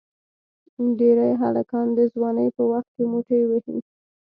ډېری هلکان د ځوانی په وخت کې موټی وهي.